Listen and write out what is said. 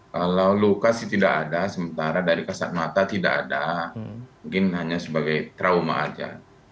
kalau luka sih tidak ada sementara dari kasat mata tidak ada mungkin hanya sebagai trauma saja